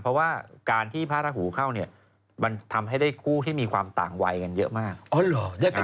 เพราะว่าการที่พระราหูเข้าเนี่ยมันทำให้ได้คู่ที่มีความต่างวัยกันเยอะมาก